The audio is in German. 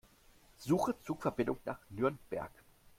Suche Zugverbindungen nach Nürnberg.